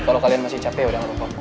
kalau kalian masih capek udah ngerumah